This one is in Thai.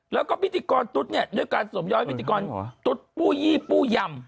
แล้วก็พิธีกรตุ๊ดเนี่ยด้วยการสวมย้อยพิธีกรตุ๊ดปู้ยี่ปู้ยำ